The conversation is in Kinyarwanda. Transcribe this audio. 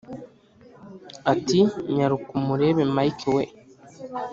ati"nyaruka umurebe mike we!"